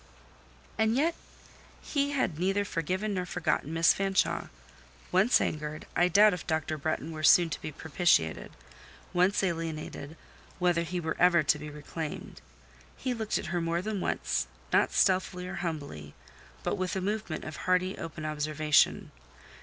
And yet he had neither forgiven nor forgotten Miss Fanshawe. Once angered, I doubt if Dr. Bretton were to be soon propitiated—once alienated, whether he were ever to be reclaimed. He looked at her more than once; not stealthily or humbly, but with a movement of hardy, open observation.